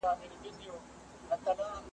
یوه شپه مېرمن پر کټ باندي پرته وه `